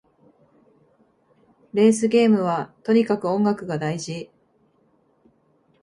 レースゲームはとにかく音楽が大事